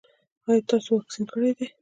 ایا تاسو واکسین کړی دی؟